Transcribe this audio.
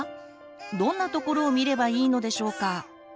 どんなところを見ればいいのでしょうか？